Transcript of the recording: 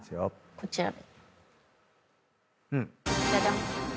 こちらで。